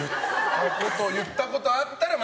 言ったことあったら○。